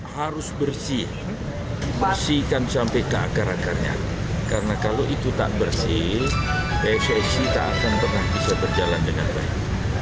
harus bersih bersihkan sampai ke akar akarnya karena kalau itu tak bersih pssi tak akan pernah bisa berjalan dengan baik